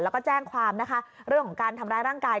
แล้วก็แจ้งความนะคะเรื่องของการทำร้ายร่างกาย